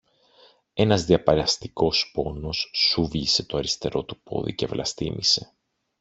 Ένας διαπεραστικός πόνος σούβλισε το αριστερό του πόδι και βλαστήμησε